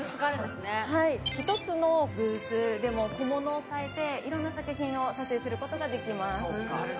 一つのブースでも小物を借りていろんな作品を撮影することができます。